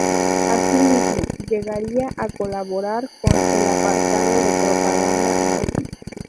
Asímismo, llegaría a colaborar con el aparato de propaganda nazi.